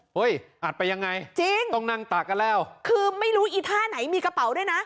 อัดไปยังไงจริงต้องนั่งตากกันแล้วคือไม่รู้อีท่าไหนมีกระเป๋าด้วยนะ